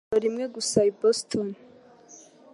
afite ijoro rimwe gusa i Boston